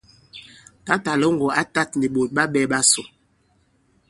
Tǎtà Lɔ̌ŋgòn ǎ tāt nì ɓòt ɓa ɓɛ̄ ɓasò.